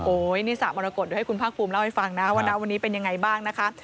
นี่สระมรกฏเดี๋ยวให้คุณภาคภูมิเล่าให้ฟังนะว่านะวันนี้เป็นยังไงบ้างนะคะ